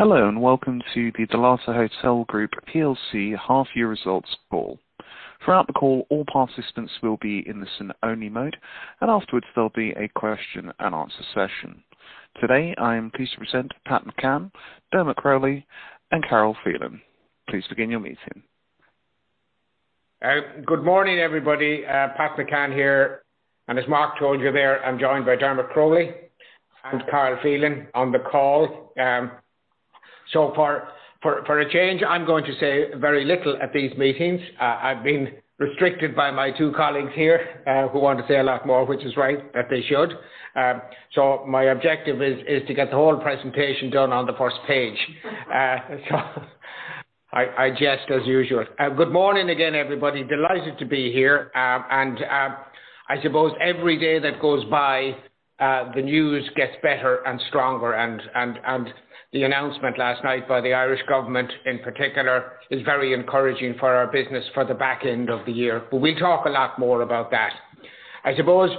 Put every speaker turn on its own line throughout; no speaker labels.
Hello, and welcome to the Dalata Hotel Group PLC half-year results call. Throughout the call, all participants will be in listen-only mode, and afterwards, there will be a question and answer session. Today, I am pleased to present Pat McCann, Dermot Crowley, and Carol Phelan. Please begin your meeting.
Good morning, everybody. Pat McCann here. As Mark told you there, I'm joined by Dermot Crowley and Carol Phelan on the call. For a change, I'm going to say very little at these meetings. I've been restricted by my two colleagues here, who want to say a lot more, which is right, that they should. My objective is to get the whole presentation done on the first page. I jest as usual. Good morning again, everybody. Delighted to be here. I suppose every day that goes by, the news gets better and stronger and the announcement last night by the Irish government in particular, is very encouraging for our business for the back end of the year. We'll talk a lot more about that. I suppose,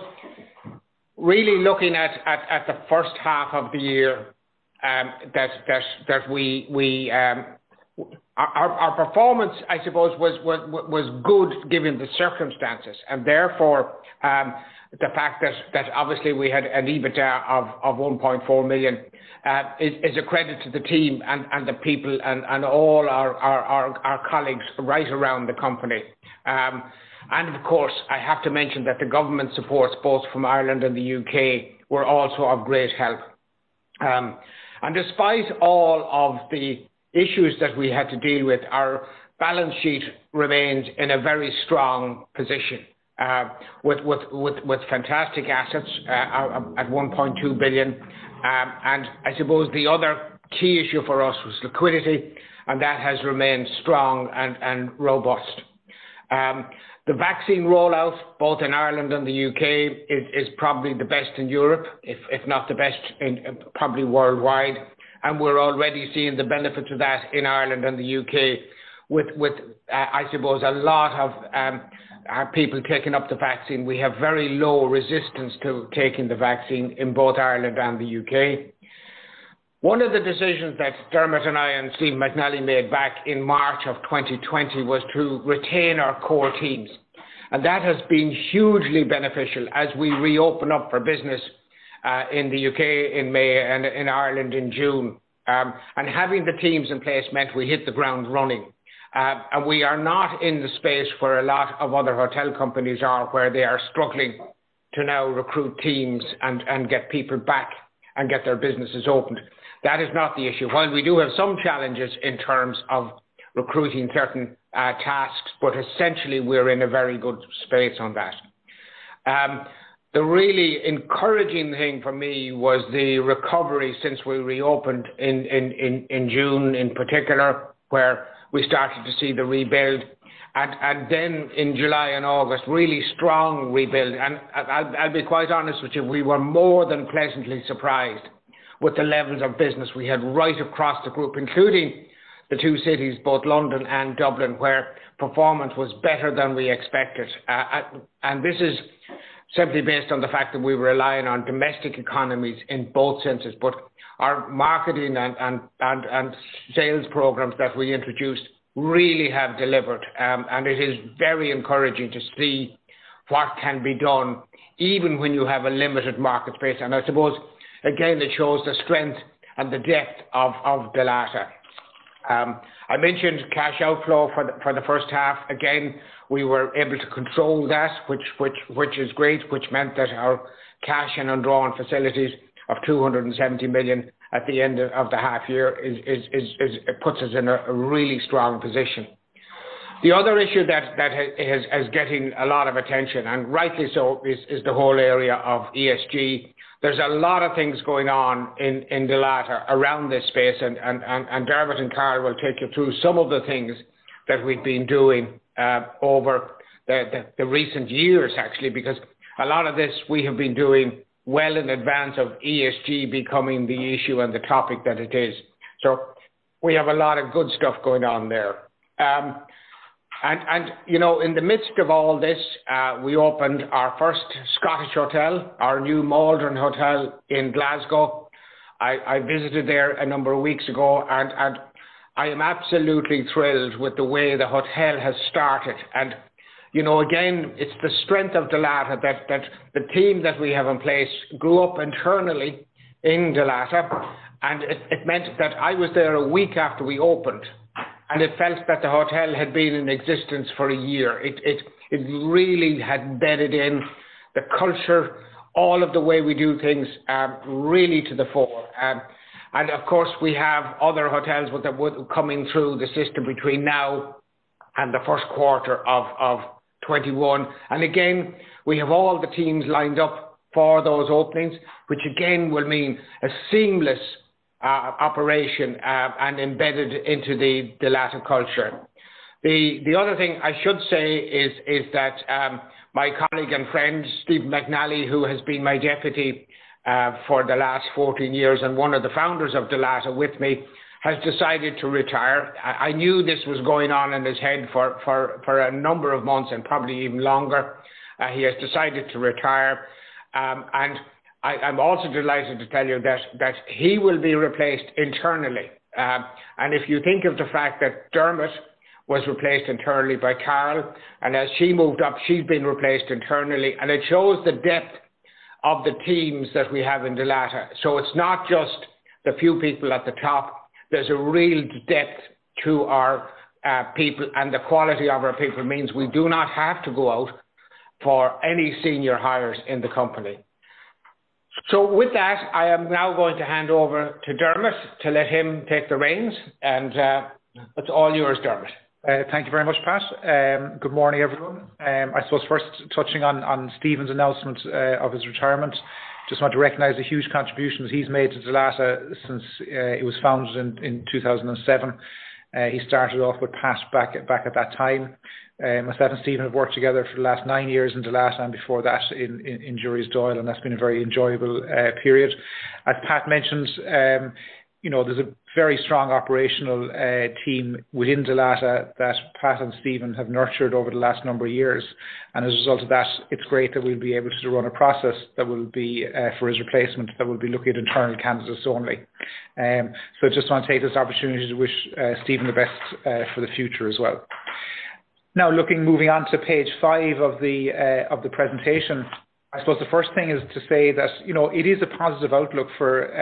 really looking at the first half of the year, our performance, I suppose was good given the circumstances. Therefore, the fact that obviously we had an EBITDA of 1.4 million, is a credit to the team and the people and all our colleagues right around the company. Of course, I have to mention that the government supports both from Ireland and the U.K. were also of great help. Despite all of the issues that we had to deal with, our balance sheet remains in a very strong position, with fantastic assets at 1.2 billion. I suppose the other key issue for us was liquidity, and that has remained strong and robust. The vaccine rollout, both in Ireland and the U.K., is probably the best in Europe, if not the best probably worldwide. We're already seeing the benefits of that in Ireland and the U.K. with, I suppose, a lot of our people taking up the vaccine. We have very low resistance to taking the vaccine in both Ireland and the U.K. one of the decisions that Dermot and I and Stephen McNally made back in March of 2020 was to retain our core teams. That has been hugely beneficial as we reopen up for business, in the U.K. in May and in Ireland in June. Having the teams in place meant we hit the ground running. We are not in the space where a lot of other hotel companies are, where they are struggling to now recruit teams and get people back and get their businesses opened. That is not the issue. While we do have some challenges in terms of recruiting certain tasks, but essentially we're in a very good space on that. The really encouraging thing for me was the recovery since we reopened in June in particular, where we started to see the rebuild. Then in July and August, really strong rebuild. I'll be quite honest with you, we were more than pleasantly surprised with the levels of business we had right across the group, including the two cities, both London and Dublin, where performance was better than we expected. This is simply based on the fact that we were relying on domestic economies in both centers. Our marketing and sales programs that we introduced really have delivered. It is very encouraging to see what can be done even when you have a limited market space. I suppose, again, it shows the strength and the depth of Dalata. I mentioned cash outflow for the first half. We were able to control that, which is great, which meant that our cash and undrawn facilities of 270 million at the end of the half-year puts us in a really strong position. The other issue that is getting a lot of attention, and rightly so, is the whole area of ESG. There's a lot of things going on in Dalata around this space and Dermot and Carol will take you through some of the things that we've been doing over the recent years, actually, because a lot of this we have been doing well in advance of ESG becoming the issue and the topic that it is. We have a lot of good stuff going on there. In the midst of all this, we opened our first Scottish hotel, our new Maldron Hotel in Glasgow. I visited there a number of weeks ago, and I am absolutely thrilled with the way the hotel has started. Again, it's the strength of Dalata that the team that we have in place grew up internally in Dalata, and it meant that I was there a week after we opened, and it felt that the hotel had been in existence for a year. It really had bedded in the culture, all of the way we do things, really to the full. Of course, we have other hotels coming through the system between now and the first quarter of 2021. Again, we have all the teams lined up for those openings, which again, will mean a seamless operation, and embedded into the Dalata culture. The other thing I should say is that my colleague and friend, Stephen McNally, who has been my deputy for the last 14 years and one of the founders of Dalata with me, has decided to retire. I knew this was going on in his head for a number of months and probably even longer. He has decided to retire. I'm also delighted to tell you that he will be replaced internally. If you think of the fact that Dermot was replaced internally by Carol Phelan, as she moved up, she's been replaced internally. It shows the depth of the teams that we have in Dalata. It's not just the few people at the top. There's a real depth to our people, and the quality of our people means we do not have to go out for any senior hires in the company. With that, I am now going to hand over to Dermot to let him take the reins, and it's all yours, Dermot.
Thank you very much, Pat. Good morning, everyone. I suppose first touching on Stephen's announcement of his retirement. Just want to recognize the huge contributions he's made to Dalata since it was founded in 2007. He started off with Pat back at that time. Myself and Stephen have worked together for the last nine years in Dalata and before that in Jurys Doyle Hotel Group, and that's been a very enjoyable period. As Pat mentioned, there's a very strong operational team within Dalata that Pat and Stephen have nurtured over the last number of years. As a result of that, it's great that we'll be able to run a process that will be for his replacement, that will be looking at internal candidates only. I just want to take this opportunity to wish Stephen the best for the future as well. Now looking, moving on to page five of the presentation. I suppose the first thing is to say that it is a positive outlook for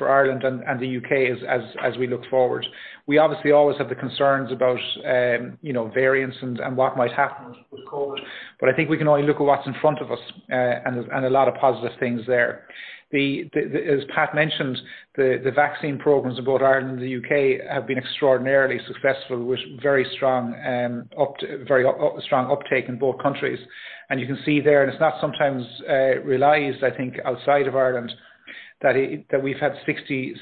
Ireland and the U.K. as we look forward. We obviously always have the concerns about variants and what might happen with COVID, but I think we can only look at what's in front of us, and a lot of positive things there. As Pat mentioned, the vaccine programs in both Ireland and the U.K. have been extraordinarily successful with very strong uptake in both countries. You can see there, and it's not sometimes realized, I think, outside of Ireland, that we've had 67%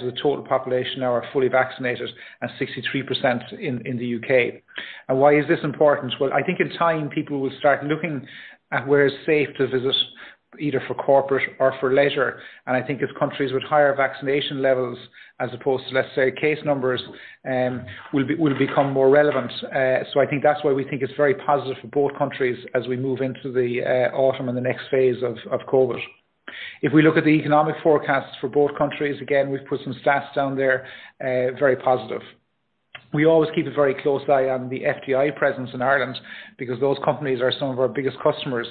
of the total population now are fully vaccinated and 63% in the U.K. Why is this important? Well, I think in time people will start looking at where it's safe to visit, either for corporate or for leisure. I think it's countries with higher vaccination levels as opposed to, let's say, case numbers, will become more relevant. I think that's why we think it's very positive for both countries as we move into the autumn and the next phase of COVID. If we look at the economic forecasts for both countries, again, we've put some stats down there, very positive. We always keep a very close eye on the FDI presence in Ireland because those companies are some of our biggest customers.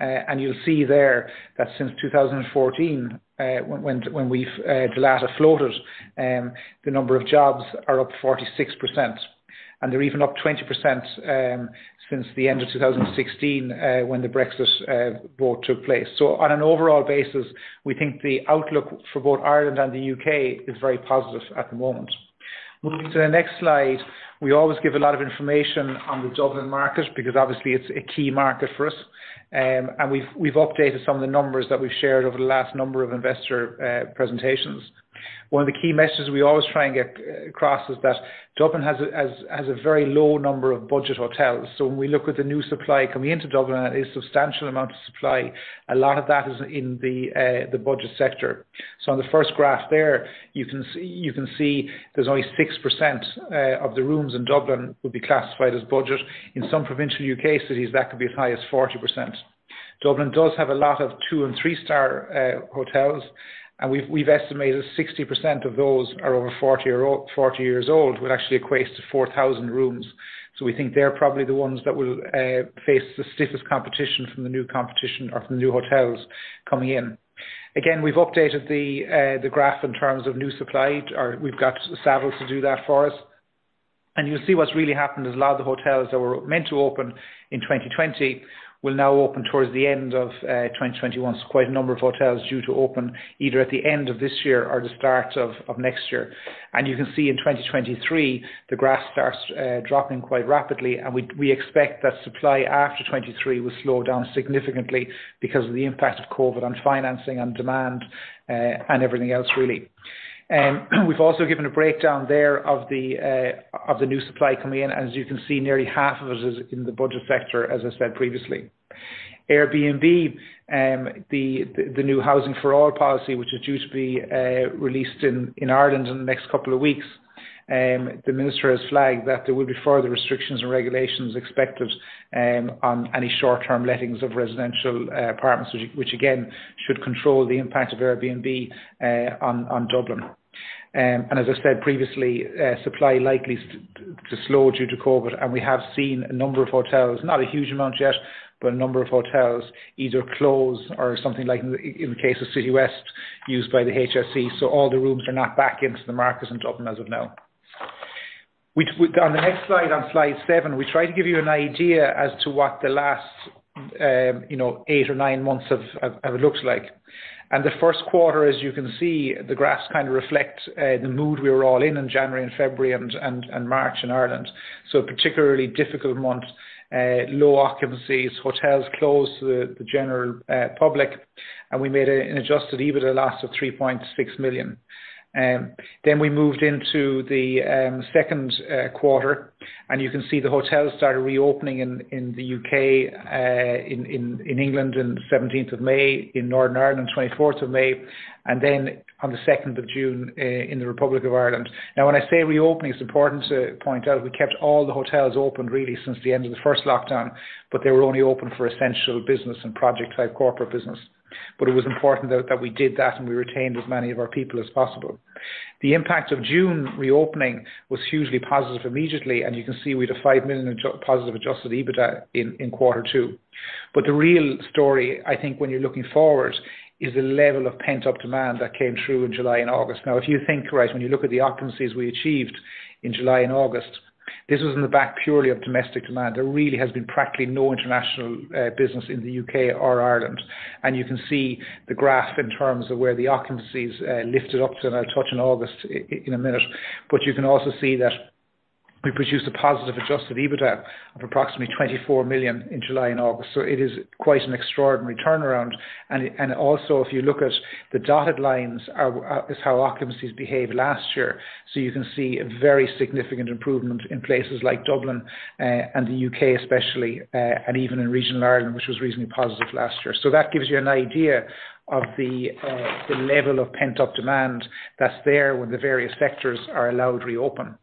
You'll see there that since 2014, when Dalata floated, the number of jobs are up 46%, and they're even up 20% since the end of 2016, when the Brexit vote took place. On an overall basis, we think the outlook for both Ireland and the U.K. is very positive at the moment. Moving to the next slide, we always give a lot of information on the Dublin market because obviously it's a key market for us. We've updated some of the numbers that we've shared over the last number of investor presentations. One of the key messages we always try and get across is that Dublin has a very low number of budget hotels. When we look at the new supply coming into Dublin, a substantial amount of supply, a lot of that is in the budget sector. On the first graph there, you can see there's only 6% of the rooms in Dublin would be classified as budget. In some provincial U.K. cities, that could be as high as 40%. Dublin does have a lot of 2 and 3-star hotels, and we've estimated 60% of those are over 40 years old, which actually equates to 4,000 rooms. We think they're probably the ones that will face the stiffest competition from the new competition or from the new hotels coming in. We've updated the graph in terms of new supply. We've got Savills to do that for us. You'll see what's really happened is a lot of the hotels that were meant to open in 2020 will now open towards the end of 2021. Quite a number of hotels due to open either at the end of this year or the start of next year. You can see in 2023, the graph starts dropping quite rapidly, and we expect that supply after 2023 will slow down significantly because of the impact of COVID on financing, on demand, and everything else really. We've also given a breakdown there of the new supply coming in. As you can see, nearly half of it is in the budget sector, as I said previously. Airbnb, the new Housing for All policy, which is due to be released in Ireland in the next couple of weeks. The minister has flagged that there will be further restrictions and regulations expected on any short-term lettings of residential apartments, which again should control the impact of Airbnb on Dublin. As I said previously, supply likely to slow due to COVID, and we have seen a number of hotels, not a huge amount yet, but a number of hotels either close or something like in the case of Citywest, used by the HSE. All the rooms are not back into the market in Dublin as of now. On the next slide, on slide seven, we try to give you an idea as to what the last eight or nine months have looked like. The first quarter, as you can see, the graphs kind of reflect the mood we were all in in January and February and March in Ireland. Particularly difficult month. Low occupancies, hotels closed to the general public, and we made an adjusted EBITDA loss of 3.6 million. We moved into the second quarter, and you can see the hotels started reopening in the U.K., in England on the 17th of May, in Northern Ireland on the 24th of May, and on the 2nd of June in the Republic of Ireland. When I say reopening, it's important to point out we kept all the hotels open really since the end of the first lockdown, but they were only open for essential business and project-type corporate business. It was important that we did that, and we retained as many of our people as possible. The impact of June reopening was hugely positive immediately, and you can see we had a 5 million positive adjusted EBITDA in Q2. The real story, I think, when you're looking forward, is the level of pent-up demand that came through in July and August. If you think, when you look at the occupancies we achieved in July and August, this was on the back purely of domestic demand. There really has been practically no international business in the U.K. or Ireland. You can see the graph in terms of where the occupancies lifted up to, I'll touch on August in a minute. You can also see that we produced a positive adjusted EBITDA of approximately 24 million in July and August. It is quite an extraordinary turnaround. Also, if you look at the dotted lines, is how occupancies behaved last year. You can see a very significant improvement in places like Dublin and the U.K. especially, and even in regional Ireland, which was reasonably positive last year. That gives you an idea of the level of pent-up demand that's there when the various sectors are allowed reopen.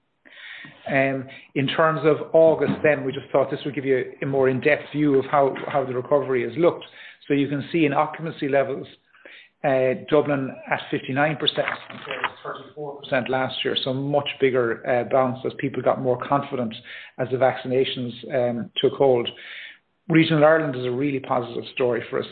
In terms of August, we just thought this would give you a more in-depth view of how the recovery has looked. You can see in occupancy levels, Dublin at 59%, compared to 34% last year. A much bigger bounce as people got more confident as the vaccinations took hold. Regional Ireland is a really positive story for us.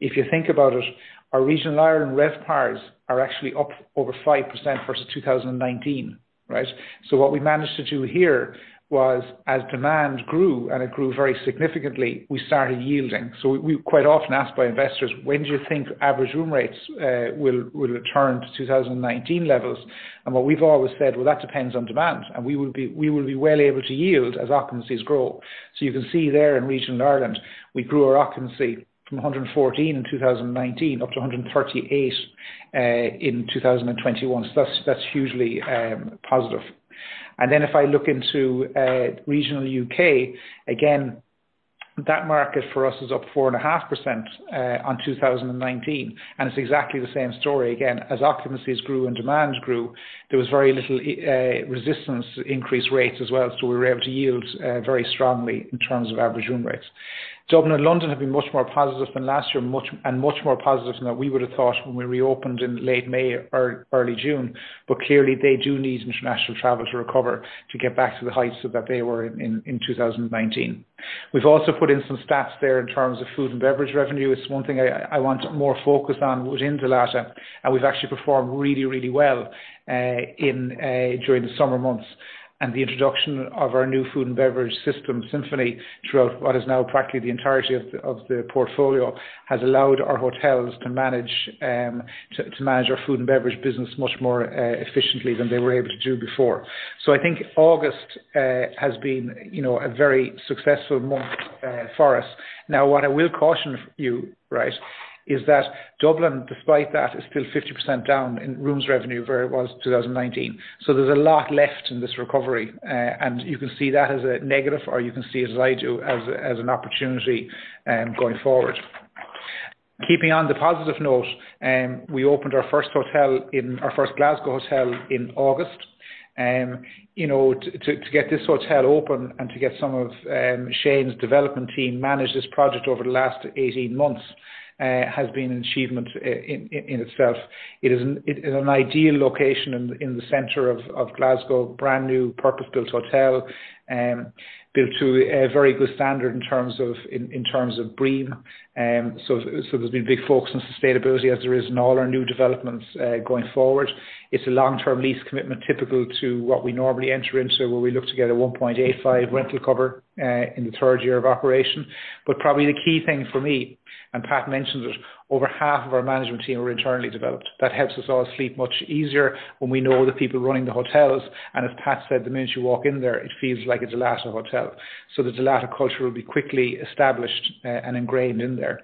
If you think about it, our regional Ireland RevPARs are actually up over 5% versus 2019. Right. What we managed to do here was, as demand grew, and it grew very significantly, we started yielding. We're quite often asked by investors, "When do you think average room rates will return to 2019 levels?" What we've always said, "Well, that depends on demand." We will be well able to yield as occupancies grow. You can see there in regional Ireland, we grew our occupancy from 114 in 2019 up to 138 in 2021. That's hugely positive. Then if I look into regional U.K., again, that market for us is up 4.5% on 2019, and it's exactly the same story again. As occupancies grew and demand grew, there was very little resistance to increased rates as well. We were able to yield very strongly in terms of average room rates. Dublin and London have been much more positive than last year, and much more positive than we would've thought when we reopened in late May, early June. Clearly they do need international travel to recover to get back to the heights that they were in 2019. We've also put in some stats there in terms of food and beverage revenue. It's one thing I want more focus on within Dalata, and we've actually performed really well during the summer months. The introduction of our new food and beverage system, Simphony, throughout what is now practically the entirety of the portfolio, has allowed our hotels to manage our food and beverage business much more efficiently than they were able to do before. I think August has been a very successful month for us. What I will caution you is that Dublin, despite that, is still 50% down in rooms revenue where it was 2019. There's a lot left in this recovery. You can see that as a negative, or you can see it as I do, as an opportunity going forward. Keeping on the positive note, we opened our first Glasgow hotel in August. To get this hotel open and to get some of Shane's development team manage this project over the last 18 months, has been an achievement in itself. It is an ideal location in the center of Glasgow. Brand-new purpose-built hotel, built to a very good standard in terms of BREEAM. There's been a big focus on sustainability as there is in all our new developments, going forward. It's a long-term lease commitment, typical to what we normally enter into, where we look to get a 1.85 rental cover in the third year of operation. Probably the key thing for me, and Pat mentioned it, over half of our management team are internally developed. That helps us all sleep much easier when we know the people running the hotels. As Pat said, the minute you walk in there, it feels like a Dalata hotel. The Dalata culture will be quickly established and ingrained in there.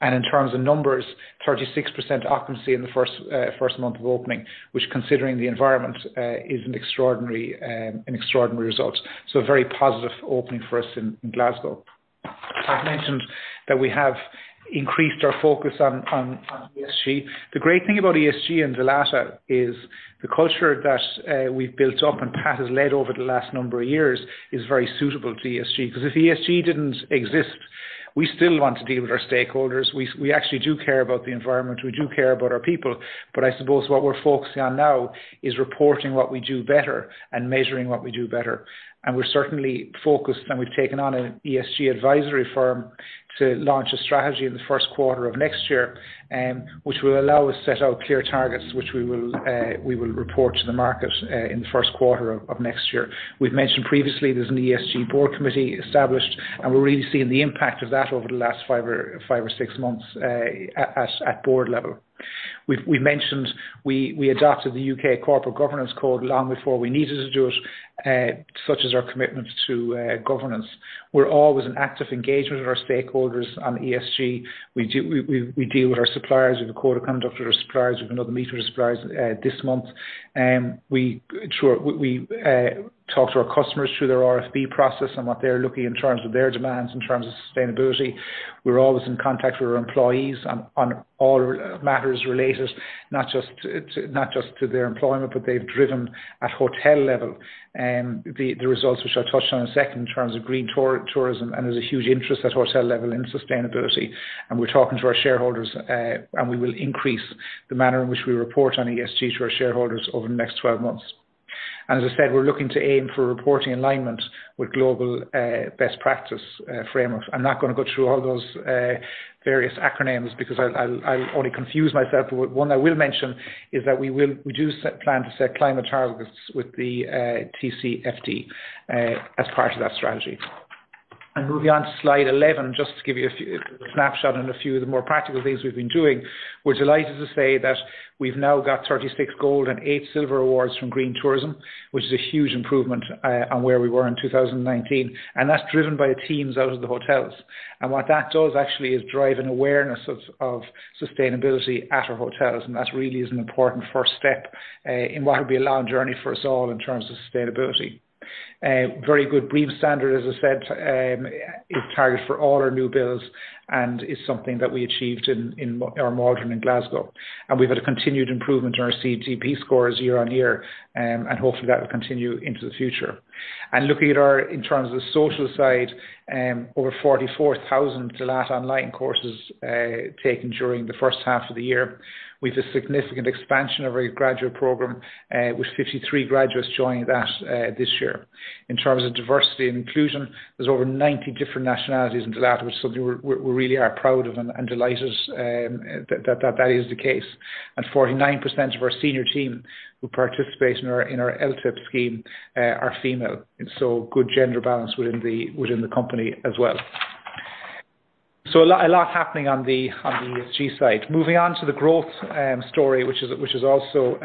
In terms of numbers, 36% occupancy in the first month of opening, which considering the environment, is an extraordinary result. A very positive opening for us in Glasgow. I've mentioned that we have increased our focus on ESG. The great thing about ESG and Dalata is the culture that we've built up and Pat has led over the last number of years is very suitable to ESG because if ESG didn't exist, we still want to deal with our stakeholders. We actually do care about the environment. We do care about our people. I suppose what we're focusing on now is reporting what we do better and measuring what we do better. We're certainly focused, and we've taken on an ESG advisory firm to launch a strategy in the first quarter of next year, which will allow us to set out clear targets, which we will report to the market in the first quarter of next year. We've mentioned previously there's an ESG board committee established, and we're really seeing the impact of that over the last five or six months at board level. We've mentioned we adopted the U.K. Corporate Governance Code long before we needed to do it, such is our commitment to governance. We're always in active engagement with our stakeholders on ESG. We deal with our suppliers. We have a code of conduct with our suppliers. We've another meeting with suppliers this month. We talk to our customers through their RFP process and what they're looking for in terms of their demands, in terms of sustainability. We're always in contact with our employees on all matters related, not just to their employment, but they've driven at hotel level, the results which I'll touch on in a second in terms of Green Tourism, and there's a huge interest at hotel level in sustainability. We're talking to our shareholders, and we will increase the manner in which we report on ESG to our shareholders over the next 12 months. As I said, we're looking to aim for reporting alignment with global best practice framework. I'm not going to go through all those various acronyms because I'll only confuse myself. But one I will mention is that we do plan to set climate targets with the TCFD as part of that strategy. Moving on to slide 11, just to give you a few snapshot on a few of the more practical things we've been doing. We're delighted to say that we've now got 36 gold and 8 silver awards from Green Tourism, which is a huge improvement on where we were in 2019, and that's driven by the teams out of the hotels. What that does actually is drive an awareness of sustainability at our hotels, and that really is an important first step, in what will be a long journey for us all in terms of sustainability. Very good BREEAM standard, as I said, is target for all our new builds and is something that we achieved in our Maldron in Glasgow. We've had a continued improvement in our CDP scores year-on-year, and hopefully that will continue into the future. Looking at our, in terms of social side, over 44,000 Dalata online courses taken during the first half of the year. We've a significant expansion of our graduate program, with 53 graduates joining that this year. In terms of diversity and inclusion, there's over 90 different nationalities in Dalata, which is something we really are proud of and delighted that is the case. 49% of our senior team who participate in our LTIP scheme are female. Good gender balance within the company as well. A lot happening on the ESG side. Moving on to the growth story which is also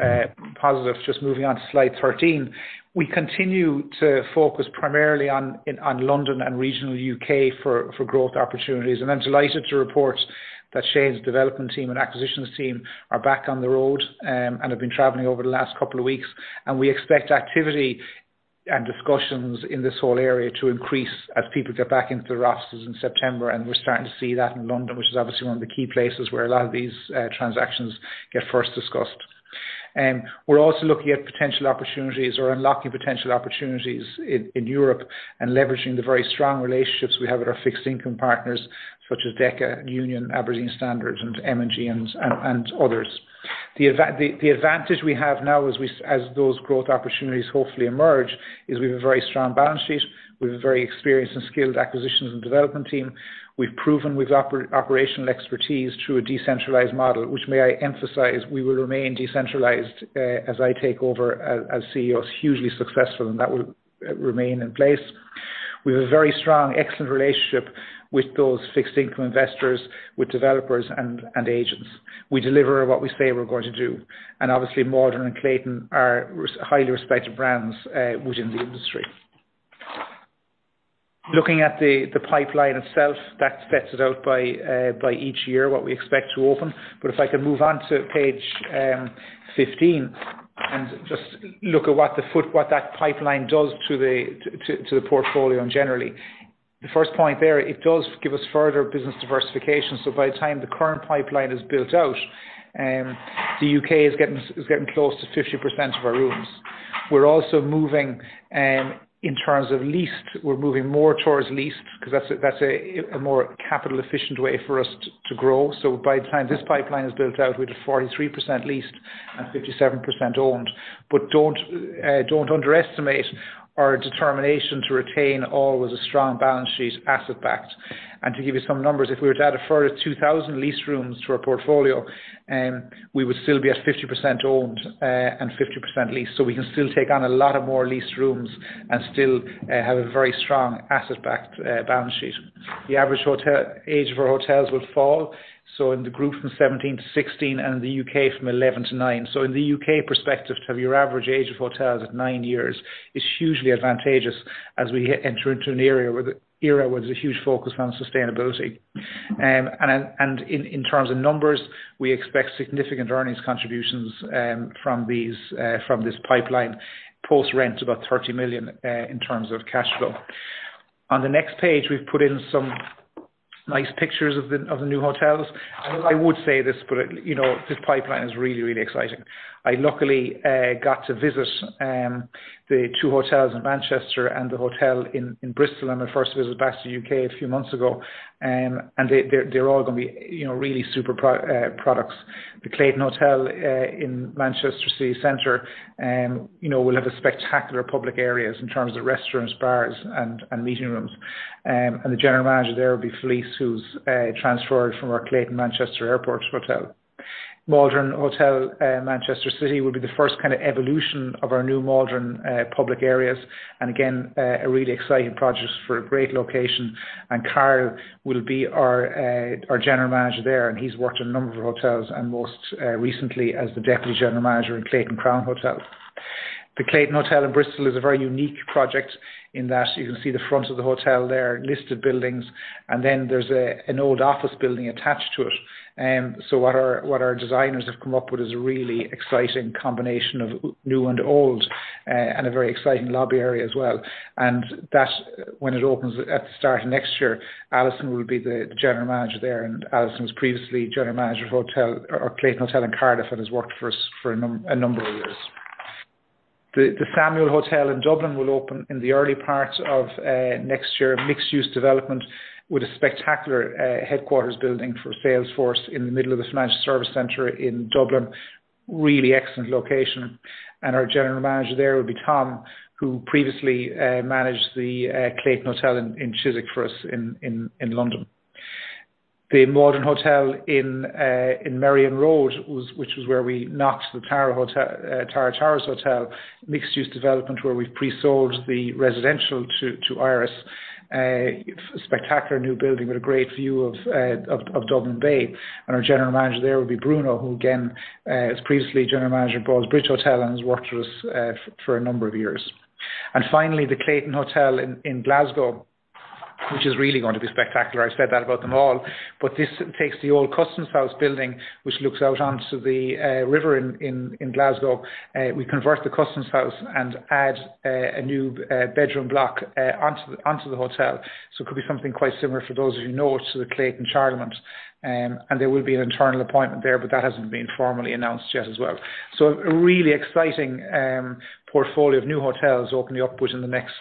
positive. Just moving on to slide 13. We continue to focus primarily on London and regional U.K. for growth opportunities, and I'm delighted to report that Shane's development team and acquisitions team are back on the road, and have been traveling over the last couple of weeks. We expect activity and discussions in this whole area to increase as people get back into the officers in September. We're starting to see that in London, which is obviously one of the key places where a lot of these transactions get first discussed. We're also looking at potential opportunities or unlocking potential opportunities in Europe and leveraging the very strong relationships we have with our fixed income partners such as Deka, Union, Aberdeen Standard and M&G and others. The advantage we have now as those growth opportunities hopefully emerge, is we've a very strong balance sheet with a very experienced and skilled acquisitions and development team. We've proven with operational expertise through a decentralized model, which may I emphasize, we will remain decentralized, as I take over as CEO, it's hugely successful, and that will remain in place. We have a very strong, excellent relationship with those fixed income investors, with developers and agents. We deliver what we say we're going to do. Obviously Maldron and Clayton are highly respected brands within the industry. Looking at the pipeline itself, that sets it out by each year what we expect to open. If I can move on to page 15 and just look at what that pipeline does to the portfolio and generally. The first point there, it does give us further business diversification. By the time the current pipeline is built out, the U.K. is getting close to 50% of our rooms. We're also moving, in terms of leased, more towards leased because that's a more capital efficient way for us to grow. By the time this pipeline is built out, we do 43% leased and 57% owned. Don't underestimate our determination to retain always a strong balance sheet asset-backed. To give you some numbers, if we were to add a further 2,000 leased rooms to our portfolio, we would still be at 50% owned, and 50% leased. We can still take on a lot of more leased rooms and still have a very strong asset-backed balance sheet. The average age of our hotels would fall. In the group from 17-16 and in the U.K. from 11-9. In the U.K. perspective, to have your average age of hotels at nine years is hugely advantageous as we enter into an era where there's a huge focus on sustainability. In terms of numbers, we expect significant earnings contributions from this pipeline post rent, about 30 million, in terms of cash flow. On the next page, we've put in some nice pictures of the new hotels. I would say this pipeline is really exciting. I luckily got to visit the two hotels in Manchester and the hotel in Bristol on my first visit back to the U.K. a few months ago. They're all going to be really super products. The Clayton Hotel Manchester City Centre will have spectacular public areas in terms of restaurants, bars, and meeting rooms. The general manager there will be Filiz, who's transferred from our Clayton Hotel Manchester Airport. Maldron Hotel, Manchester City will be the first kind of evolution of our new Maldron public areas. Again, a really exciting project for a great location. Carol will be our general manager there, and he's worked in a number of hotels and most recently as the deputy general manager in Clayton Crown Hotel. The Clayton Hotel in Bristol is a very unique project in that you can see the front of the hotel there, listed buildings, and then there's an old office building attached to it. What our designers have come up with is a really exciting combination of new and old, and a very exciting lobby area as well. That when it opens at the start of next year, Alison will be the general manager there, and Alison's previously general manager of hotel or Clayton Hotel in Cardiff and has worked for us for a number of years. The Samuel Hotel in Dublin will open in the early part of next year. Mixed-use development with a spectacular headquarters building for Salesforce in the middle of the financial service center in Dublin. Really excellent location. Our general manager there will be Tom, who previously managed the Clayton Hotel Chiswick for us in London. The Maldron Hotel in Merrion Road, which was where we knocked the Tara Towers Hotel, mixed-use development where we’ve pre-sold the residential to I-RES. A spectacular new building with a great view of Dublin Bay. Our general manager there will be Bruno, who, again, is previously general manager of Ballsbridge Hotel and has worked with us for a number of years. Finally, the Clayton Hotel Glasgow, which is really going to be spectacular. I said that about them all, this takes the old Customs House building, which looks out onto the river in Glasgow. We convert the Customs House and add a new bedroom block onto the hotel. It could be something quite similar, for those of you who know it, to the Clayton Charlemont. There will be an internal appointment there, but that hasn't been formally announced yet as well. A really exciting portfolio of new hotels opening up within the next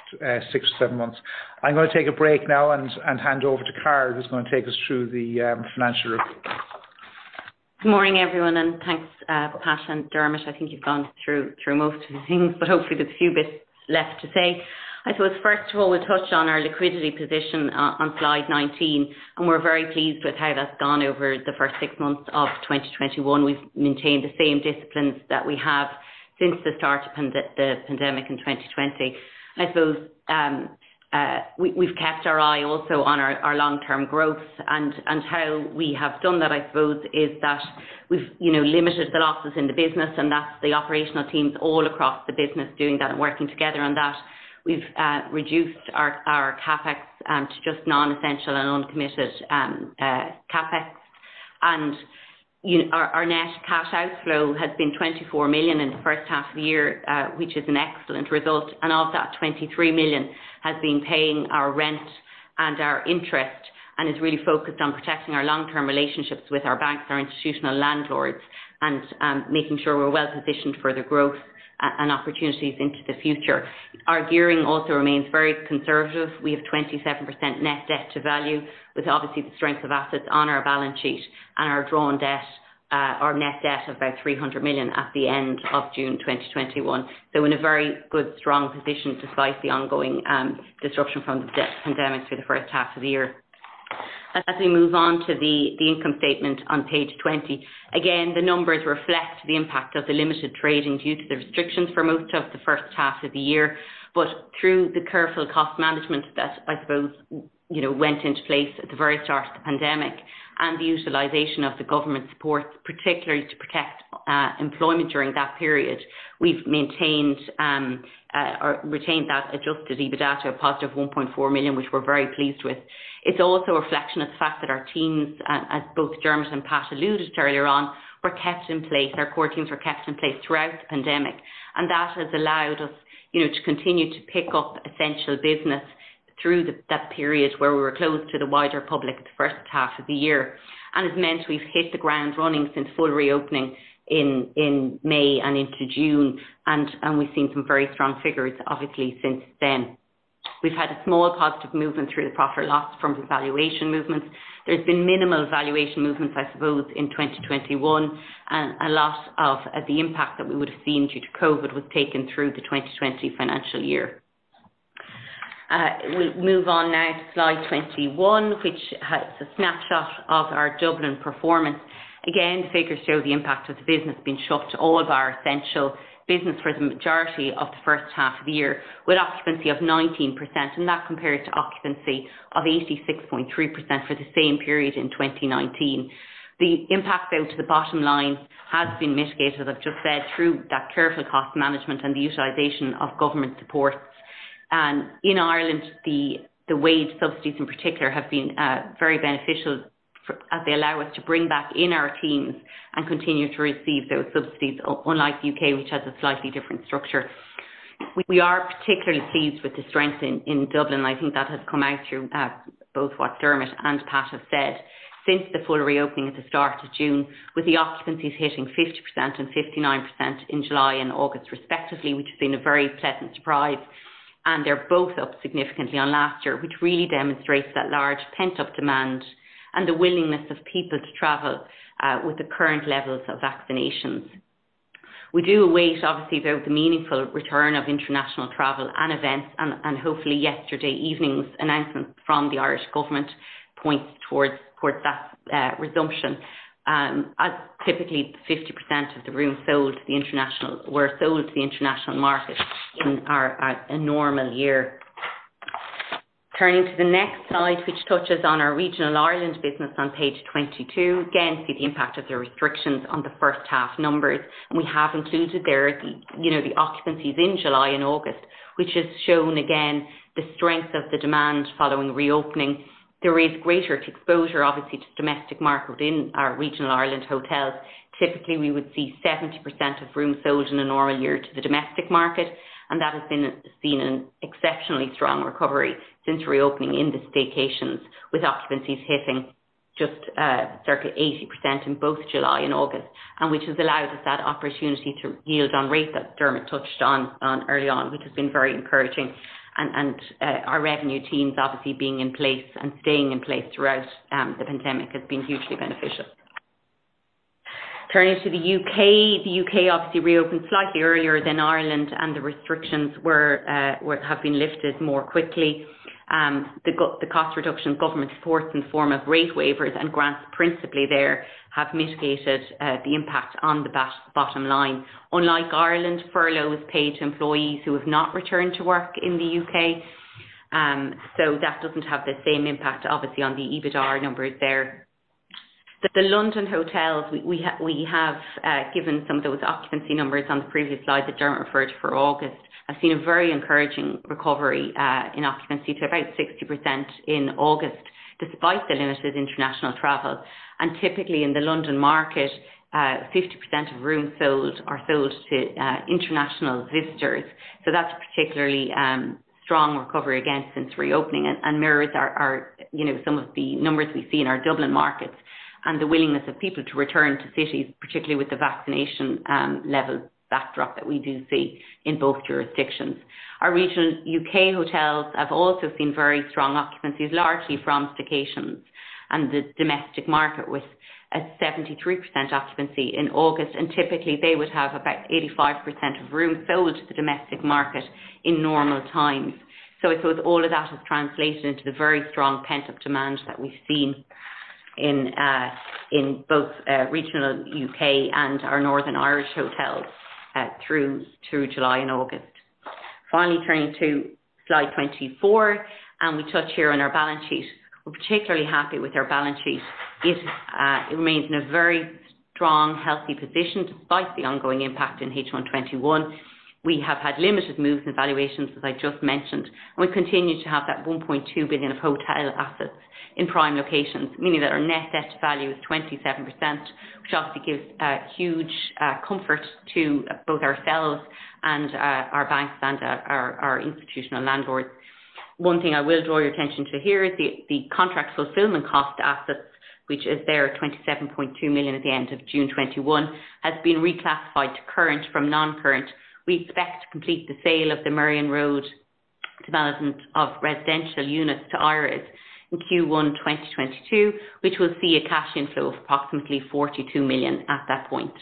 six or seven months. I'm going to take a break now and hand over to Carol Phelan, who's going to take us through the financial review.
Good morning, everyone, thanks, Pat and Dermot. I think you've gone through most of the things, hopefully there's a few bits left to say. I suppose, first of all, we touched on our liquidity position on slide 19. We're very pleased with how that's gone over the first 6 months of 2021. We've maintained the same disciplines that we have since the start of the pandemic in 2020. I suppose we've kept our eye also on our long-term growth. How we have done that, I suppose, is that we've limited the losses in the business, and that's the operational teams all across the business doing that and working together on that. We've reduced our CapEx to just non-essential and uncommitted CapEx. Our net cash outflow has been 24 million in the first half of the year, which is an excellent result. Of that, 23 million has been paying our rent and our interest, and is really focused on protecting our long-term relationships with our banks, our institutional landlords, and making sure we are well-positioned for the growth and opportunities into the future. Our gearing also remains very conservative. We have 27% net debt to value with, obviously, the strength of assets on our balance sheet and our drawn debt, our net debt of about 300 million at the end of June 2021. In a very good, strong position despite the ongoing disruption from the pandemic through the first half of the year. As we move on to the income statement on page 20, again, the numbers reflect the impact of the limited trading due to the restrictions for most of the first half of the year. Through the careful cost management that, I suppose, went into place at the very start of the pandemic and the utilization of the government support, particularly to protect employment during that period, we've maintained or retained that adjusted EBITDA to a positive 1.4 million, which we're very pleased with. It's also a reflection of the fact that our teams, as both Dermot and Pat alluded to earlier on, were kept in place. Our core teams were kept in place throughout the pandemic, and that has allowed us to continue to pick up essential business through that period where we were closed to the wider public the first half of the year. It's meant we've hit the ground running since full reopening in May and into June. We've seen some very strong figures, obviously, since then. We've had a small positive movement through the profit loss from the valuation movements. There's been minimal valuation movements, I suppose, in 2021. A lot of the impact that we would've seen due to COVID was taken through the 2020 financial year. We'll move on now to slide 21, which has a snapshot of our Dublin performance. Again, the figures show the impact of the business being shut to all of our essential business for the majority of the first half of the year, with occupancy of 19%, and that compared to occupancy of 86.3% for the same period in 2019. The impact, though, to the bottom line has been mitigated, as I've just said, through that careful cost management and the utilization of government supports. In Ireland, the wage subsidies, in particular, have been very beneficial, as they allow us to bring back in our teams and continue to receive those subsidies. Unlike U.K., which has a slightly different structure. We are particularly pleased with the strength in Dublin. I think that has come out through both what Dermot and Pat have said. Since the full reopening at the start of June, with the occupancies hitting 50% and 59% in July and August respectively, which has been a very pleasant surprise. They're both up significantly on last year, which really demonstrates that large pent-up demand and the willingness of people to travel with the current levels of vaccinations. We do await, obviously, though, the meaningful return of international travel and events, hopefully yesterday evening's announcement from the Irish government points towards that resumption. As typically, 50% of the rooms were sold to the international market in a normal year. Turning to the next slide, which touches on our regional Ireland business on page 22. Again, see the impact of the restrictions on the first half numbers. We have included there the occupancies in July and August, which has shown, again, the strength of the demand following reopening. There is greater exposure, obviously, to the domestic market in our regional Ireland hotels. Typically, we would see 70% of rooms sold in a normal year to the domestic market, and that has seen an exceptionally strong recovery since reopening in the staycations, with occupancies hitting just circa 80% in both July and August. Which has allowed us that opportunity to yield on rate that Dermot touched on early on, which has been very encouraging. Our revenue teams obviously being in place and staying in place throughout the pandemic has been hugely beneficial. Turning to the U.K. The U.K. obviously reopened slightly earlier than Ireland, and the restrictions have been lifted more quickly. The cost reduction government support in the form of rate waivers and grants principally there have mitigated the impact on the bottom line. Unlike Ireland, furlough has paid employees who have not returned to work in the U.K. That doesn't have the same impact, obviously, on the EBITDAR numbers there. The London hotels, we have given some of those occupancy numbers on the previous slide that Dermot referred for August, have seen a very encouraging recovery, in occupancy to about 60% in August, despite the limited international travel. Typically in the London market, 50% of rooms sold are sold to international visitors. That's a particularly strong recovery again since reopening and mirrors some of the numbers we see in our Dublin markets and the willingness of people to return to cities, particularly with the vaccination level backdrop that we do see in both jurisdictions. Our regional U.K. hotels have also seen very strong occupancies, largely from staycations and the domestic market, with a 73% occupancy in August. Typically they would have about 85% of rooms sold to the domestic market in normal times. I suppose all of that has translated into the very strong pent-up demand that we've seen in both regional U.K. and our Northern Irish hotels through July and August. Finally, turning to slide 24, we touch here on our balance sheet. We're particularly happy with our balance sheet. It remains in a very strong, healthy position despite the ongoing impact in H1 2021. We have had limited movement in valuations, as I just mentioned, and we continue to have that 1.2 billion of hotel assets in prime locations, meaning that our net debt value is 27%, which obviously gives huge comfort to both ourselves and our banks and our institutional landlords. One thing I will draw your attention to here is the contract fulfillment cost assets, which is there at 27.2 million at the end of June 2021, has been reclassified to current from non-current. We expect to complete the sale of the Merrion Road development of residential units to I-RES in Q1 2022, which will see a cash inflow of approximately 42 million at that point.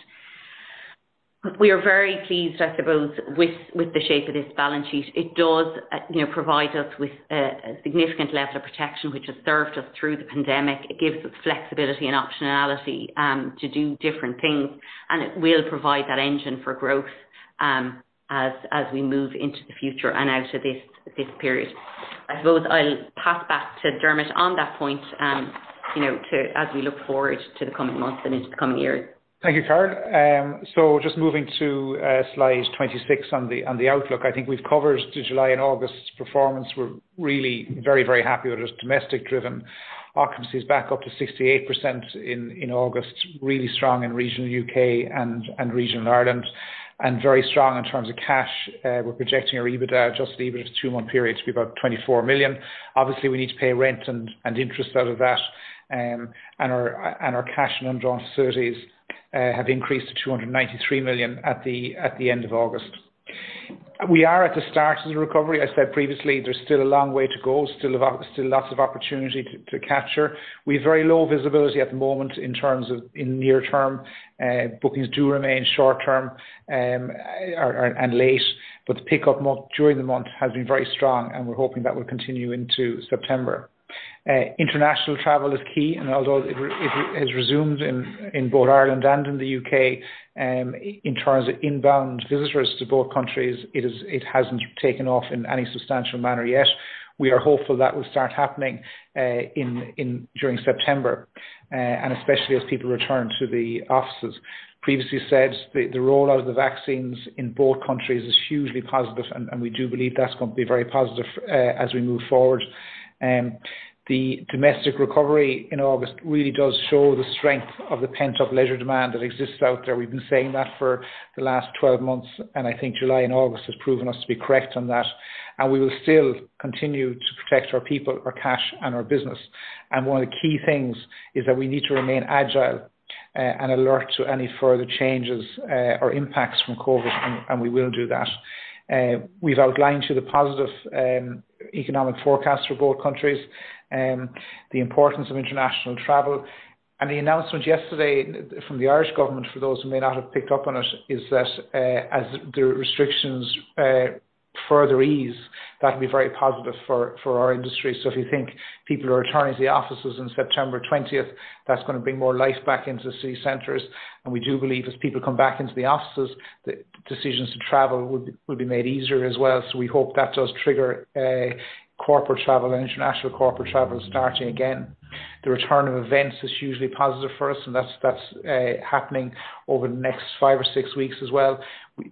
We are very pleased, I suppose, with the shape of this balance sheet. It does provide us with a significant level of protection, which has served us through the pandemic. It gives us flexibility and optionality to do different things, and it will provide that engine for growth as we move into the future and out of this period. I suppose I'll pass back to Dermot on that point as we look forward to the coming months and into the coming year.
Thank you, Carol. Just moving to slide 26 on the outlook. I think we've covered the July and August performance. We're really very, very happy with it as domestic-driven occupancy is back up to 68% in August. Really strong in regional U.K. and regional Ireland, and very strong in terms of cash. We're projecting our EBITDA, adjusted EBITDA, for the two-month period to be about 24 million. Obviously, we need to pay rent and interest out of that, and our cash and undrawn facilities have increased to 293 million at the end of August. We are at the start of the recovery. I said previously, there's still a long way to go, still lots of opportunity to capture. We've very low visibility at the moment in terms of in near term. Bookings do remain short term and late, but the pickup during the month has been very strong, and we're hoping that will continue into September. International travel is key, and although it has resumed in both Ireland and in the U.K., in terms of inbound visitors to both countries, it hasn't taken off in any substantial manner yet. We are hopeful that will start happening during September, and especially as people return to the offices. Previously said, the rollout of the vaccines in both countries is hugely positive, and we do believe that's going to be very positive as we move forward. The domestic recovery in August really does show the strength of the pent-up leisure demand that exists out there. We've been saying that for the last 12 months, and I think July and August has proven us to be correct on that. We will still continue to protect our people, our cash, and our business. One of the key things is that we need to remain agile and alert to any further changes or impacts from COVID, and we will do that. We've outlined to the positive economic forecast for both countries, the importance of international travel. The announcement yesterday from the Irish government, for those who may not have picked up on it, is that as the restrictions further ease, that'll be very positive for our industry. If you think people are returning to the offices in September 20th, that's going to bring more life back into city centers. We do believe as people come back into the offices, the decisions to travel will be made easier as well. We hope that does trigger corporate travel and international corporate travel starting again. The return of events is hugely positive for us, and that's happening over the next five or six weeks as well.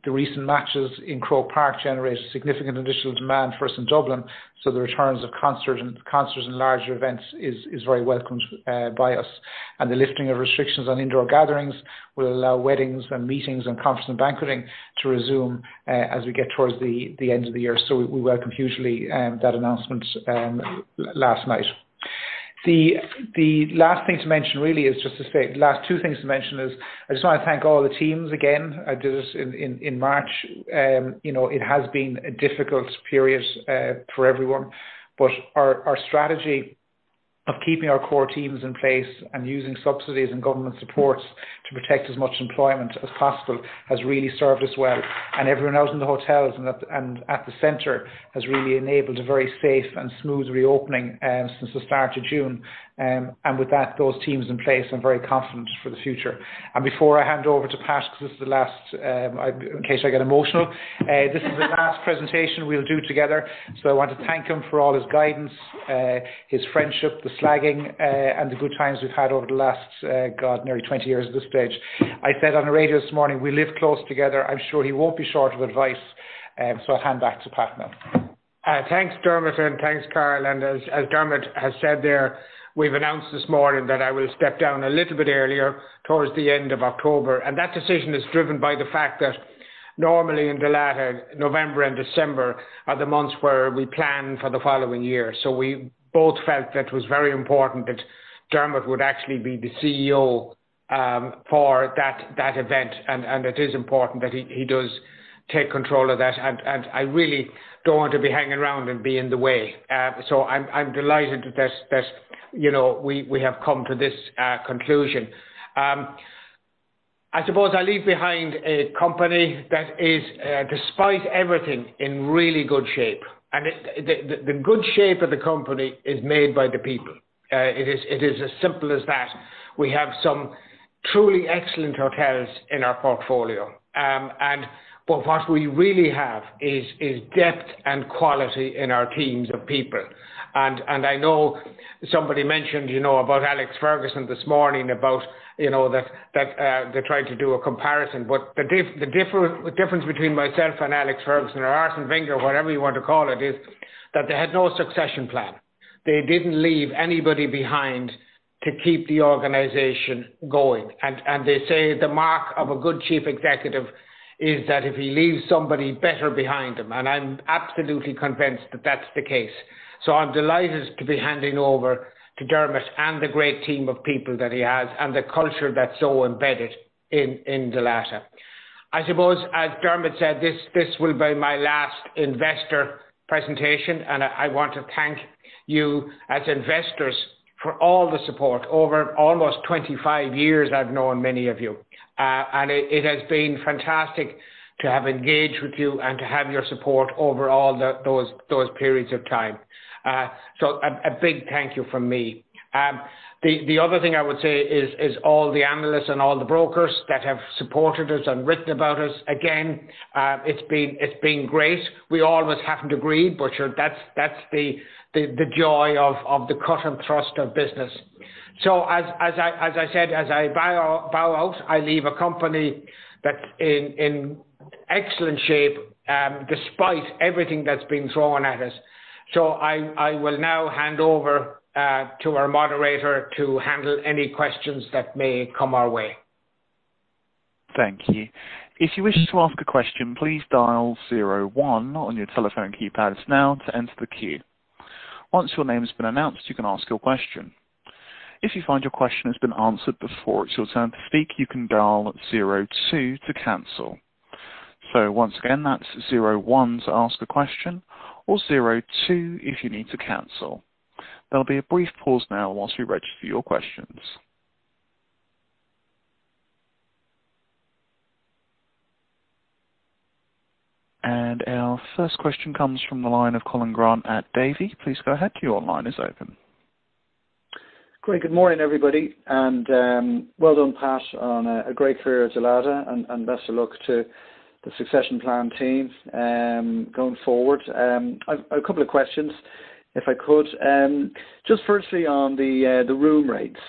The recent matches in Croke Park generated significant additional demand for us in Dublin. The returns of concerts and larger events is very welcomed by us. The lifting of restrictions on indoor gatherings will allow weddings and meetings and conference and banqueting to resume as we get towards the end of the year. We welcome hugely that announcement last night. The last thing to mention really is just to say, last two things to mention is, I just want to thank all the teams again. I did this in March. It has been a difficult period for everyone, but our strategy of keeping our core teams in place and using subsidies and government supports to protect as much employment as possible has really served us well. Everyone out in the hotels and at the center has really enabled a very safe and smooth reopening since the start of June. With that, those teams in place, I'm very confident for the future. Before I hand over to Pat, because in case I get emotional, this is the last presentation we'll do together. I want to thank him for all his guidance, his friendship, the slagging, and the good times we've had over the last, God, nearly 20 years at this stage. I said on the radio this morning, we live close together. I'm sure he won't be short of advice. I'll hand back to Pat now.
Thanks, Dermot, and thanks, Carol. As Dermot has said there, we've announced this morning that I will step down a little bit earlier towards the end of October. That decision is driven by the fact that normally in Dalata, November and December are the months where we plan for the following year. We both felt that it was very important that Dermot would actually be the CEO for that event, and it is important that he does take control of that. I really don't want to be hanging around and be in the way. I'm delighted that we have come to this conclusion. I suppose I leave behind a company that is, despite everything, in really good shape. The good shape of the company is made by the people. It is as simple as that. We have some truly excellent hotels in our portfolio. What we really have is depth and quality in our teams of people. I know somebody mentioned about Alex Ferguson this morning, about that they're trying to do a comparison. The difference between myself and Alex Ferguson or Arsène Wenger, whatever you want to call it, is that they had no succession plan. They didn't leave anybody behind to keep the organization going. They say the mark of a good chief executive is that if he leaves somebody better behind him. I'm absolutely convinced that that's the case. I'm delighted to be handing over to Dermot and the great team of people that he has, and the culture that's so embedded in Dalata. I suppose, as Dermot said, this will be my last investor presentation, and I want to thank you as investors for all the support. Over almost 25 years, I've known many of you. It has been fantastic to have engaged with you and to have your support over all those periods of time. A big thank you from me. The other thing I would say is all the analysts and all the brokers that have supported us and written about us, again, it's been great. We always haven't agreed, but sure, that's the joy of the cut and thrust of business. As I said, as I bow out, I leave a company that's in excellent shape, despite everything that's been thrown at us. I will now hand over to our moderator to handle any questions that may come our way.
Thank you. If you wish to ask a question, please dial zero-one on your telephone keypad now to enter the queue. Once your name has been announced, you can ask your question. If you find your question has been answered before it's your turn to speak, you can dial zero-two to cancel. Once again, that's zero-one to ask a question or zero-two if you need to cancel. There'll be a brief pause now whilst we register your questions. Our first question comes from the line of Colin Grant at Davy. Please go ahead. Your line is open.
Great. Good morning, everybody, and well done, Pat, on a great career at Dalata, and best of luck to the succession plan team going forward. A couple of questions, if I could. Just firstly on the room rates,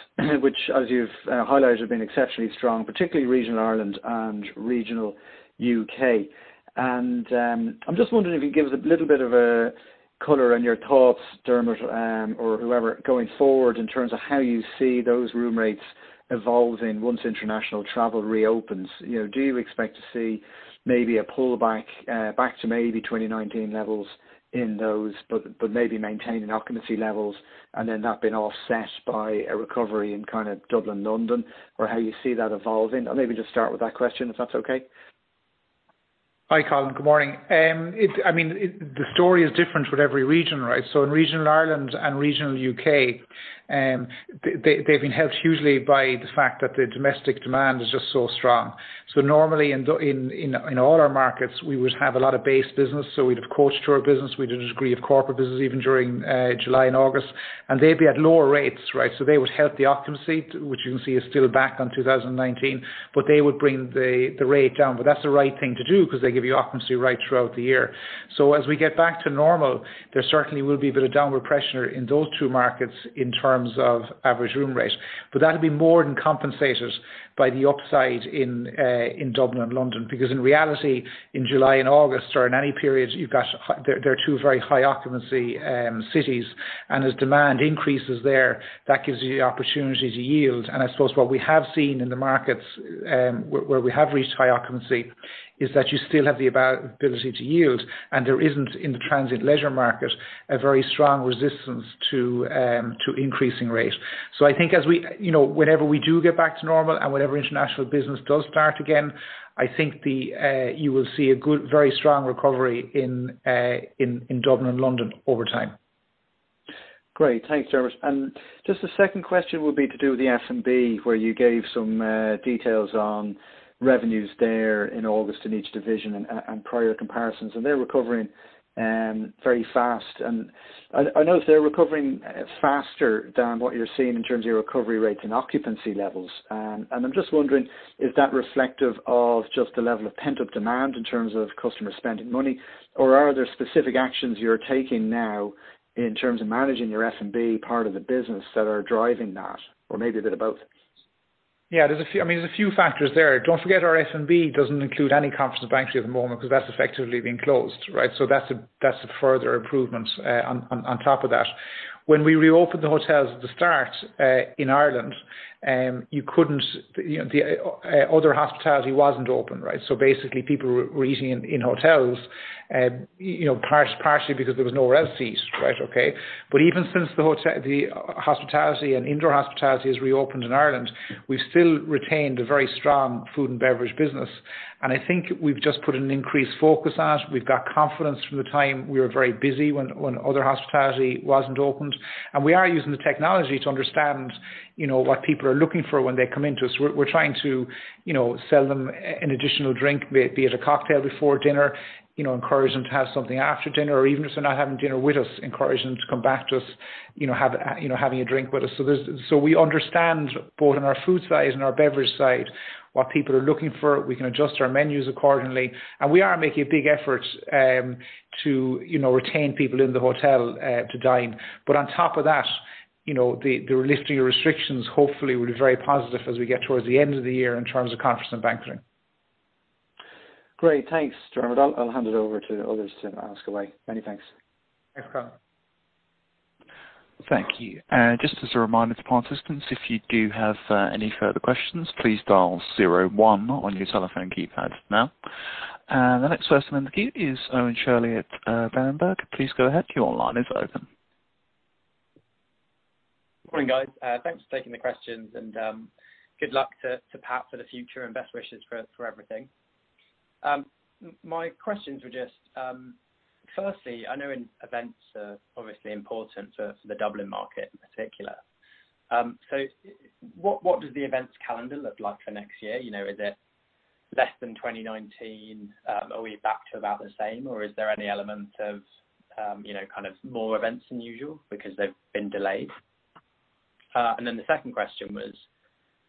which as you've highlighted, have been exceptionally strong, particularly regional Ireland and regional U.K. I'm just wondering if you can give us a little bit of a color on your thoughts, Dermot or whoever, going forward in terms of how you see those room rates evolving once international travel reopens. Do you expect to see maybe a pullback back to maybe 2019 levels in those, but maybe maintaining occupancy levels and then that being offset by a recovery in Dublin, London, or how you see that evolving? Maybe just start with that question, if that's okay.
Hi, Colin. Good morning. The story is different with every region, right? In regional Ireland and regional U.K., they've been helped hugely by the fact that the domestic demand is just so strong. Normally in all our markets, we would have a lot of base business, we'd have coach tour business, we'd have a degree of corporate business even during July and August. They'd be at lower rates, right? They would help the occupancy, which you can see is still back on 2019, but they would bring the rate down. That's the right thing to do because they give you occupancy right throughout the year. As we get back to normal, there certainly will be a bit of downward pressure in those two markets in terms of average room rate. That'll be more than compensated by the upside in Dublin and London. In reality, in July and August or in any period, they're 2 very high occupancy cities, and as demand increases there, that gives you the opportunity to yield. I suppose what we have seen in the markets, where we have reached high occupancy, is that you still have the ability to yield, and there isn't, in the transient leisure market, a very strong resistance to increasing rate. I think whenever we do get back to normal and whenever international business does start again, I think you will see a very strong recovery in Dublin and London over time.
Great. Thanks, Dermot. Just the second question would be to do with the F&B, where you gave some details on revenues there in August in each division and prior comparisons, and they're recovering very fast. I notice they're recovering faster than what you're seeing in terms of your recovery rates and occupancy levels. I'm just wondering, is that reflective of just the level of pent-up demand in terms of customers spending money, or are there specific actions you're taking now in terms of managing your F&B part of the business that are driving that? Maybe a bit of both.
Yeah, there's a few factors there. Don't forget our F&B doesn't include any conference or banqueting at the moment, because that's effectively been closed, right? That's a further improvement on top of that. When we reopened the hotels at the start, in Ireland, other hospitality wasn't open, right? Basically people were eating in hotels, partially because there was nowhere else to eat. Right, okay. Even since the indoor hospitality has reopened in Ireland, we've still retained a very strong food and beverage business. I think we've just put an increased focus on it. We've got confidence from the time we were very busy when other hospitality wasn't opened. We are using the technology to understand what people are looking for when they come into us. We're trying to sell them an additional drink, be it a cocktail before dinner, encourage them to have something after dinner, or even if they're not having dinner with us, encourage them to come back to us, having a drink with us. We understand both on our food side and our beverage side what people are looking for. We can adjust our menus accordingly, and we are making big efforts to retain people in the hotel to dine. On top of that, the lifting of restrictions hopefully will be very positive as we get towards the end of the year in terms of conference and banqueting.
Great. Thanks, Dermot. I'll hand it over to others to ask away. Many thanks.
Thanks, Colin.
Thank you. Just as a reminder to participants, if you do have any further questions, please dial 01 on your telephone keypad now. The next person in the queue is Owen Shirley at Berenberg. Please go ahead. Your line is open.
Morning, guys. Thanks for taking the questions and good luck to Pat for the future and best wishes for everything. My questions were just, firstly, I know events are obviously important for the Dublin market in particular. What does the events calendar look like for next year? Is it less than 2019? Are we back to about the same, or is there any element of kind of more events than usual because they've been delayed? The second question was,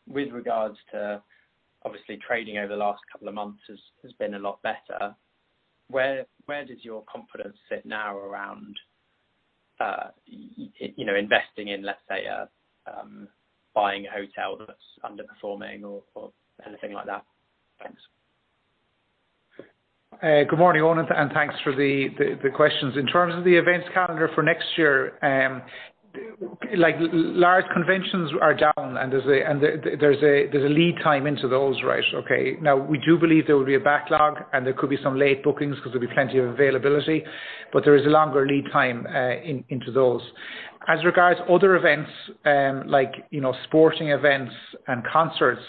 with regards to, obviously, trading over the last couple of months has been a lot better. Where does your confidence sit now around investing in, let's say, buying a hotel that's underperforming or anything like that? Thanks.
Good morning, Owen. Thanks for the questions. In terms of the events calendar for next year, large conventions are down and there's a lead time into those, right? Okay. We do believe there will be a backlog, and there could be some late bookings because there'll be plenty of availability, but there is a longer lead time into those. As regards other events like sporting events and concerts,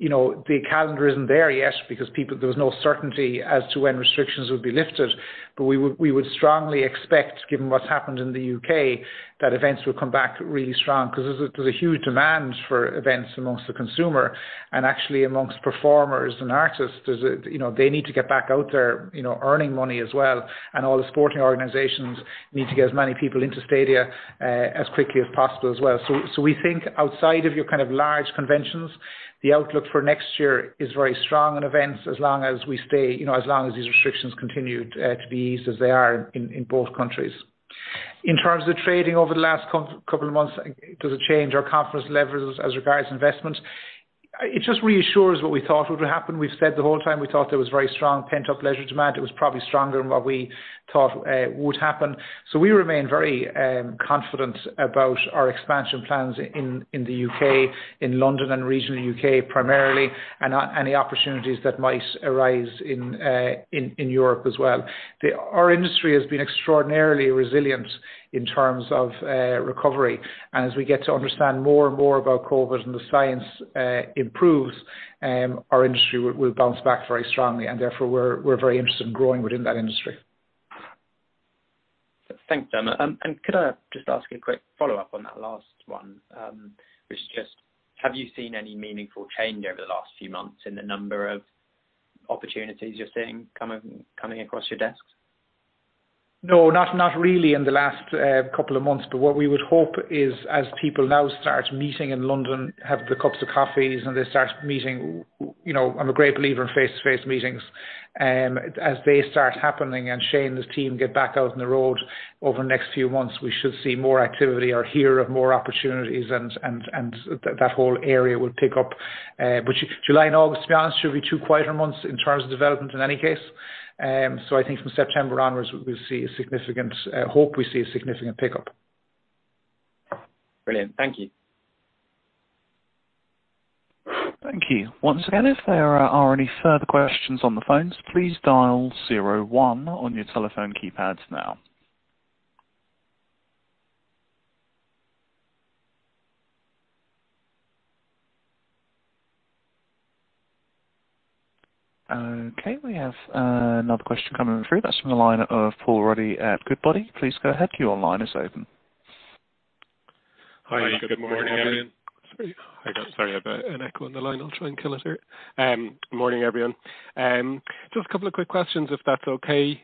the calendar isn't there yet because there was no certainty as to when restrictions would be lifted. We would strongly expect, given what's happened in the U.K., that events would come back really strong because there's a huge demand for events amongst the consumer and actually amongst performers and artists. They need to get back out there earning money as well. All the sporting organizations need to get as many people into stadia as quickly as possible as well. We think outside of your kind of large conventions, the outlook for next year is very strong on events as long as these restrictions continue to be eased as they are in both countries. In terms of trading over the last couple of months, does it change our conference levels as regards investments? It just reassures what we thought would happen. We've said the whole time, we thought there was very strong pent-up leisure demand. It was probably stronger than what we thought would happen. We remain very confident about our expansion plans in the U.K., in London and regional U.K. primarily, and any opportunities that might arise in Europe as well. Our industry has been extraordinarily resilient in terms of recovery. As we get to understand more and more about COVID and the science improves, our industry will bounce back very strongly, and therefore, we're very interested in growing within that industry.
Thanks, Dermot. Could I just ask a quick follow-up on that last one, which is just, have you seen any meaningful change over the last few months in the number of opportunities you're seeing coming across your desks?
No, not really in the last couple of months. What we would hope is as people now start meeting in London, have the cups of coffees, and they start meeting, I'm a great believer in face-to-face meetings. As they start happening and Shane and his team get back out on the road over the next few months, we should see more activity or hear of more opportunities, and that whole area will pick up. July and August, to be honest, should be two quieter months in terms of development in any case. I think from September onwards, hope we see a significant pickup.
Brilliant. Thank you.
Thank you. Once again, if there are any further questions on the phones, please dial 01 on your telephone keypads now. Okay, we have another question coming through. That is from the line of Paul Ruddy at Goodbody. Please go ahead, your line is open.
Hi, good morning, everyone. Sorry, I got an echo on the line. I'll try and kill it here. Morning, everyone. Just a couple of quick questions, if that's okay.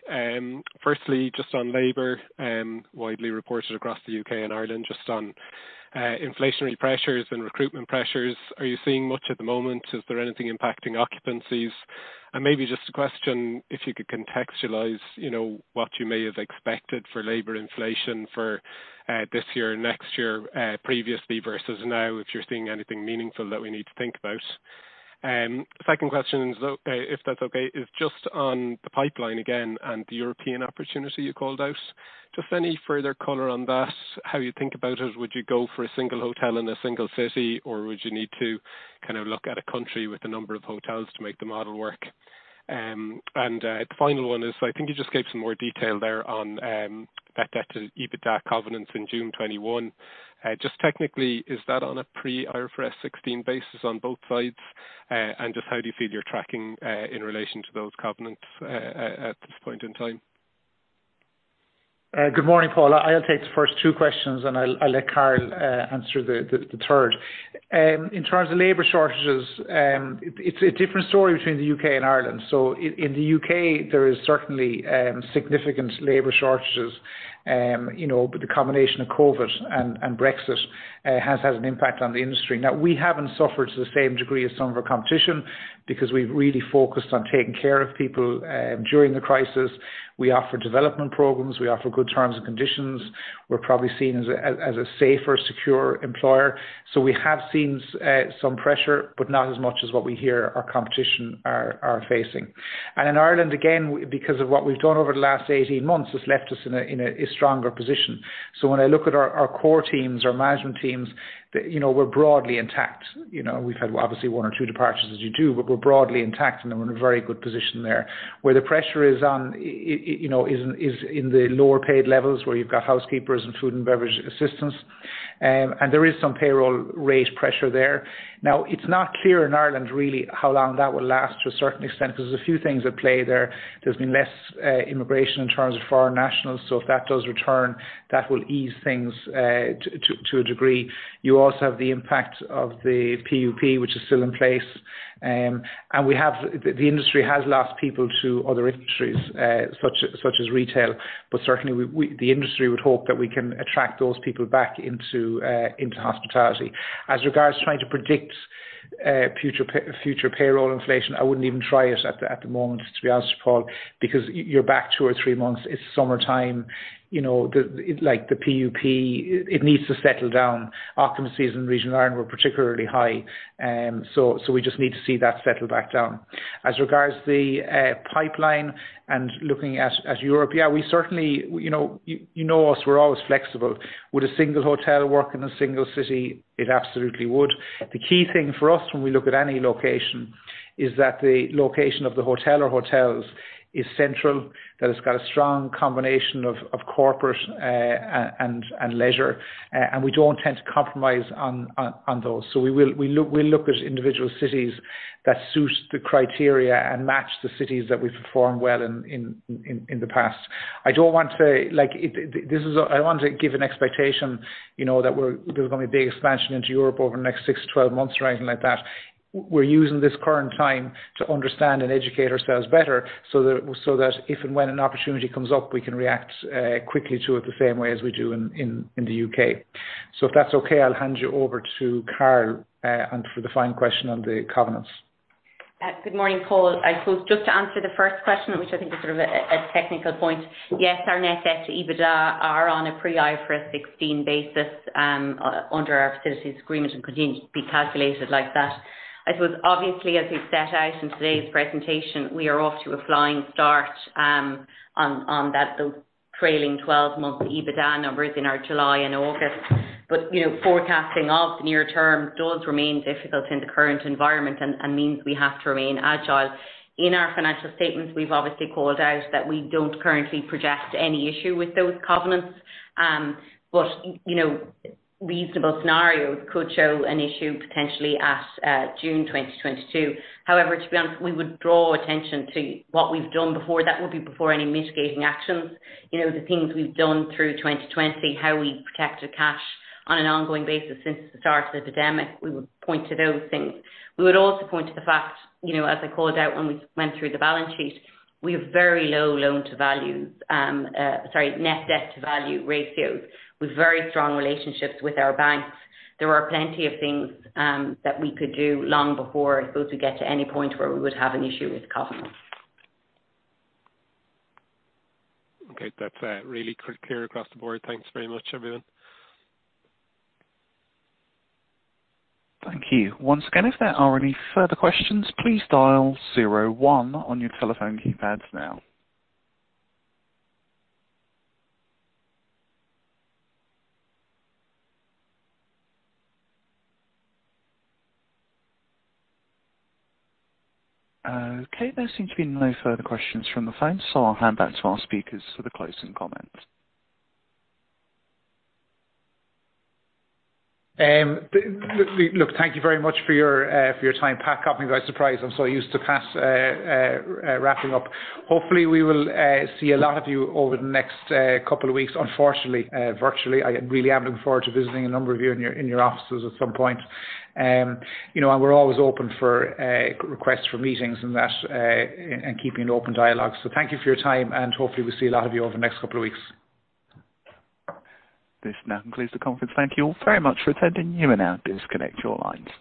Firstly, just on labor, widely reported across the U.K. and Ireland, just on inflationary pressures and recruitment pressures. Are you seeing much at the moment? Is there anything impacting occupancies? Maybe just a question, if you could contextualize what you may have expected for labor inflation for this year or next year, previously versus now, if you're seeing anything meaningful that we need to think about. Second question, if that's okay, is just on the pipeline again and the European opportunity you called out. Just any further color on that, how you think about it. Would you go for a single hotel in a single city, or would you need to look at a country with a number of hotels to make the model work? The final one is, I think you just gave some more detail there on that debt to EBITDA covenants in June 2021. Just technically, is that on a pre-IFRS 16 basis on both sides? Just how do you feel you're tracking in relation to those covenants at this point in time?
Good morning, Paul. I'll take the first two questions and I'll let Carol answer the third. In terms of labor shortages, it's a different story between the U.K. and Ireland. In the U.K., there is certainly significant labor shortages. The combination of COVID and Brexit has had an impact on the industry. Now, we haven't suffered to the same degree as some of our competition because we've really focused on taking care of people during the crisis. We offer development programs. We offer good terms and conditions. We're probably seen as a safer, secure employer. We have seen some pressure, but not as much as what we hear our competition are facing. In Ireland, again, because of what we've done over the last 18 months has left us in a stronger position. When I look at our core teams, our management teams, we're broadly intact. We've had obviously one or two departures as you do, but we're broadly intact and we're in a very good position there. Where the pressure is in the lower paid levels where you've got housekeepers and food and beverage assistants. There is some payroll rate pressure there. Now, it's not clear in Ireland really how long that will last to a certain extent because there's a few things at play there. There's been less immigration in terms of foreign nationals. If that does return, that will ease things to a degree. You also have the impact of the PUP, which is still in place. The industry has lost people to other industries, such as retail, but certainly, the industry would hope that we can attract those people back into hospitality. As regards trying to predict future payroll inflation, I wouldn't even try it at the moment, to be honest, Paul. You're back two or three months, it's summertime. The PUP, it needs to settle down. Occupancies in the region of Ireland were particularly high. We just need to see that settle back down. As regards the pipeline and looking at Europe, yeah, you know us, we're always flexible. Would a single hotel work in a single city? It absolutely would. The key thing for us when we look at any location is that the location of the hotel or hotels is central, that it's got a strong combination of corporate and leisure, and we don't tend to compromise on those. We'll look at individual cities that suit the criteria and match the cities that we've performed well in the past. I don't want to give an expectation that there's going to be a big expansion into Europe over the next six to 12 months or anything like that. We're using this current time to understand and educate ourselves better so that if and when an opportunity comes up, we can react quickly to it the same way as we do in the U.K. If that's okay, I'll hand you over to Carol and for the final question on the covenants.
Good morning, Paul. I suppose just to answer the first question, which I think is sort of a technical point. Yes, our net debt to EBITDAR on a pre-IFRS 16 basis under our facilities agreement and continue to be calculated like that. I suppose, obviously, as we've set out in today's presentation, we are off to a flying start on those trailing 12-month EBITDA numbers in our July and August. Forecasting of the near term does remain difficult in the current environment and means we have to remain agile. In our financial statements, we've obviously called out that we don't currently project any issue with those covenants. Reasonable scenarios could show an issue potentially at June 2022. However, to be honest, we would draw attention to what we've done before. That would be before any mitigating actions. The things we've done through 2020, how we protected cash on an ongoing basis since the start of the pandemic, we would point to those things. We would also point to the fact, as I called out when we went through the balance sheet, we have very low net debt to value ratios with very strong relationships with our banks. There are plenty of things that we could do long before, I suppose, we get to any point where we would have an issue with covenants.
Okay. That's really clear across the board. Thanks very much, everyone.
Thank you. Okay. There seem to be no further questions from the phone, so I'll hand back to our speakers for the closing comments.
Thank you very much for your time. Pat caught me by surprise. I'm so used to Pat wrapping up. Hopefully, we will see a lot of you over the next couple of weeks. Unfortunately, virtually. I really am looking forward to visiting a number of you in your offices at some point. We're always open for requests for meetings and that, and keeping an open dialogue. Thank you for your time, and hopefully we'll see a lot of you over the next couple of weeks.
This now concludes the conference. Thank you all very much for attending. You may now disconnect your lines.